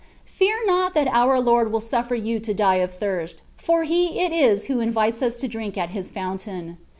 Fear not that our Lord will sufifer you to die of thirst, for He it is who invites us to drink at His fountain.